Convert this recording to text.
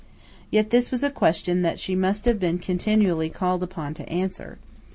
Yet this was a question that she must have been continually called upon to answer.